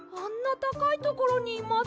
たかいところにいます。